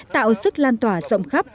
tạo sức lan tỏa rộng khắp